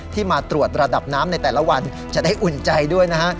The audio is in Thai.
มาตรวจระดับน้ำในแต่ละวันจะได้อุ่นใจด้วยนะฮะ